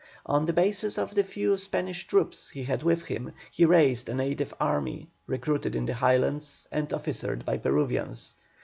On the basis of the few Spanish troops he had with him, he raised a native army, recruited in the Highlands and officered by Peruvians.